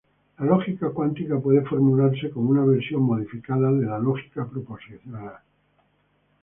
La lógica cuántica puede formularse como una versión modificada de la lógica proposicional.